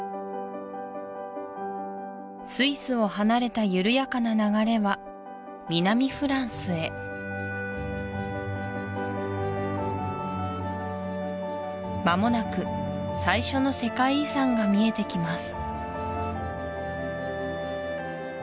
スイスを離れた緩やかな流れは南フランスへ間もなく最初の世界遺産が見えてきます